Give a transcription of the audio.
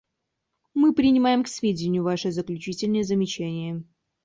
Мы принимаем к сведению Ваши заключительные замечания.